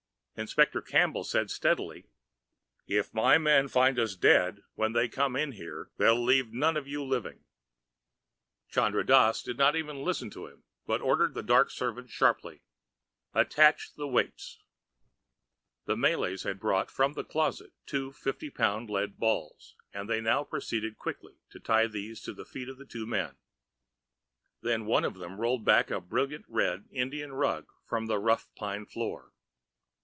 Inspector Campbell said steadily, "If my men find us dead when they come in here, they'll leave none of you living." Chandra Dass did not even listen to him, but ordered the dark servants sharply, "Attach the weights!" The Malays had brought from the closet two fifty pound lead balls, and now they proceeded quickly to tie these to the feet of the two men. Then one of them rolled back the brilliant red Indian rug from the rough pine floor.